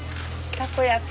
たこ焼き。